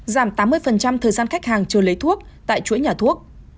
giảm tám mươi thời gian khách hàng chưa lấy thuốc tại chuỗi nhà thuốc